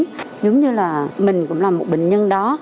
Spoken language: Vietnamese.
giống như là mình cũng là một bệnh nhân đó